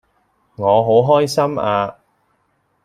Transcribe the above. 我好開心呀